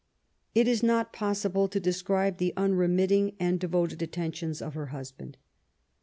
It is not possible to describe the unremitting and •devoted attentions of her husband.